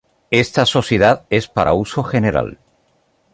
Esta sociedad es para uso general.